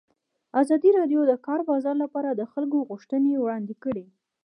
ازادي راډیو د د کار بازار لپاره د خلکو غوښتنې وړاندې کړي.